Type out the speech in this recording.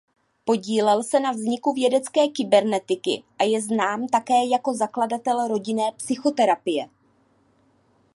Podílel se na vzniku vědecké kybernetiky a je znám také jako zakladatel rodinné psychoterapie.